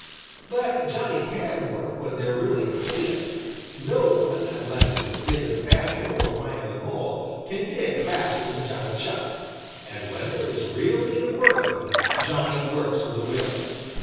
But Johnny can work when there really is need of it. No one, unless it is Digger the Badger or Miner the Mole, can dig faster than Johnny Chuck. And when there is real need of working, Johnny works with a will.